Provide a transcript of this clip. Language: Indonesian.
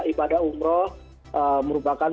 ibadah umroh merupakan